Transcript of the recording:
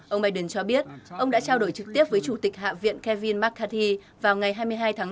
ông biden cho biết ông đã trao đổi trực tiếp với chủ tịch hạ viện kevin mccarthy vào ngày hai mươi hai tháng bốn